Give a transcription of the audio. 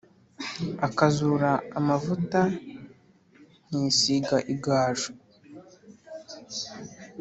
akazura amavuta nkisiga igaju